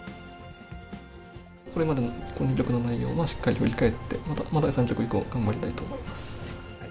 これまでのこの２局の内容をしっかり振り返って、また第３局以降、頑張りたいと思います。